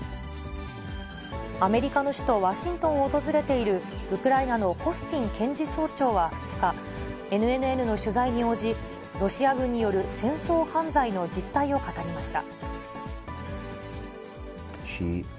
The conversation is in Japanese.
アメリカの首都、ワシントンを訪れているウクライナのコスティン検事総長は２日、ＮＮＮの取材に応じ、ロシア軍による戦争犯罪の実態を語りました。